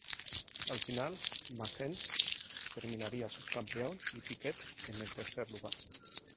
Al final Mansell terminaría subcampeón y Piquet en el tercer lugar.